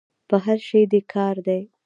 په هر شي دي کار دی.